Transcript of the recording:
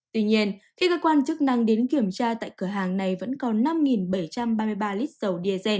tuy nhiên khi cơ quan chức năng đến kiểm tra tại cửa hàng này vẫn còn năm bảy trăm ba mươi ba lít dầu diesel